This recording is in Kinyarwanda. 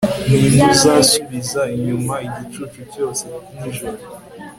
Ninde uzasubiza inyuma igicucu cyose nijoro